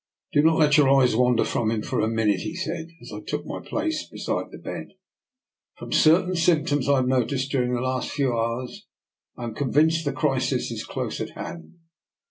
" Do not let your eyes wander from him for a minute," he said, as I took my place be side the bed. " From certain symptoms I have noticed during the last few hours, I am convinced the crisis is close at hand.